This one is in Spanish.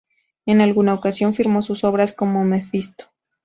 En alguna ocasión firmó sus obras como "Mefisto".